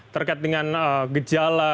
terkait dengan gejala